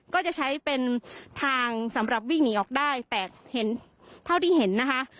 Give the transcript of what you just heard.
ก็จะใช้เป็นทางสำหรับวิ่งหนีออกได้แต่เห็นเท่าที่เห็นนะคะ